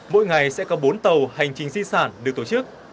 mỗi ngày sẽ có bốn tàu hành trình di sản được tổ chức